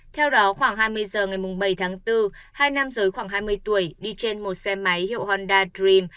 theo đó khoảng hai mươi giờ ngày bảy tháng bốn hai nam giới khoảng hai mươi tuổi đi trên một xe máy hiệu honda dream